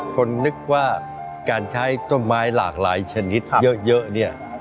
คนนึกว่าการใช้ต้นไม้หลากหลายชนิดเยอะเนี่ย